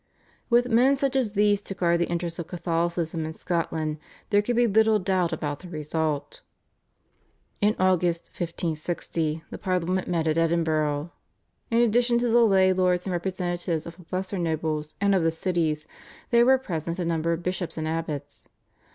With men such as these to guard the interests of Catholicism in Scotland there could be little doubt about the result. In August 1560 the Parliament met at Edinburgh. In addition to the lay lords and representatives of the lesser nobles and of the cities, there were present a number of bishops and abbots.